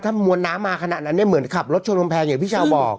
ถ้ามวลน้ำมาขนาดนั้นเนี่ยเหมือนขับรถชนกำแพงอย่างพี่ชาวบอก